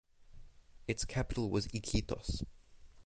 Its capital was Iquitos.